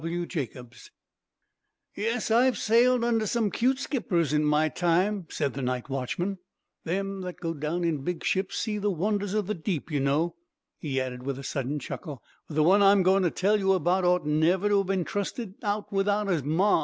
Stokes Company. "Yes, I've sailed under some 'cute skippers in my time," said the night watchman; "them that go down in big ships see the wonders o' the deep, you know," he added with a sudden chuckle, "but the one I'm going to tell you about ought never to have been trusted out without 'is ma.